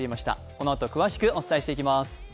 このあと詳しくお伝えしてまいります。